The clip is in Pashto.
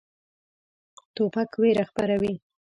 توپک ویره خپروي.